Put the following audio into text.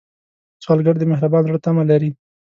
سوالګر د مهربان زړه تمه لري